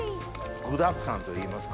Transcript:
具だくさんといいますか。